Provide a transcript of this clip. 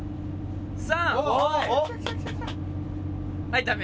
３！はいダメ！